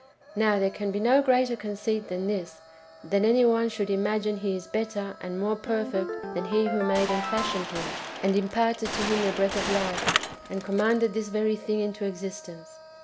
Now there can be no greater conceit than this, that any one should imagine he is better and more perfect than He who made and fashioned him, and imparted to him the breath of life, and commanded this very thing into existence.